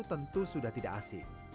tentu sudah tidak asing